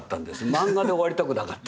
マンガで終わりたくなかった。